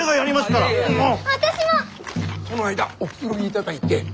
その間おくつろぎいただいて。